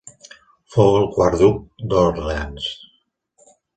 Fou el quart duc d'Orleans.